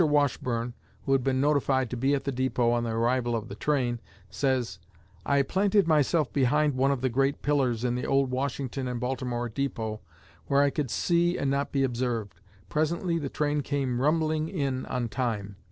Washburne, who had been notified to be at the depot on the arrival of the train, says: "I planted myself behind one of the great pillars in the old Washington and Baltimore depot, where I could see and not be observed. Presently, the train came rumbling in on time.